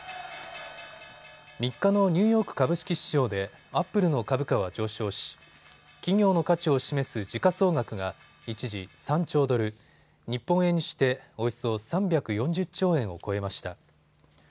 ３日のニューヨーク株式市場でアップルの株価は上昇し、企業の価値を示す時価総額が一時、３兆ドル日本円にしておよそ３４０兆円を超えました。